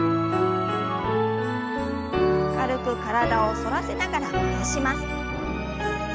軽く体を反らせながら伸ばします。